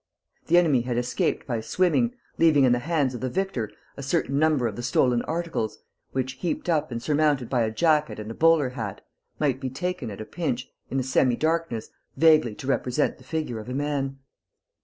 The enemy had escaped by swimming, leaving in the hands of the victor a certain number of the stolen articles, which, heaped up and surmounted by a jacket and a bowler hat, might be taken, at a pinch, in the semi darkness, vaguely to represent the figure of a man.